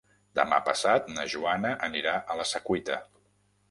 Demà passat na Joana anirà a la Secuita.